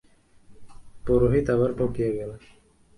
পুরোহিত আবার বকিয়া গেলেন।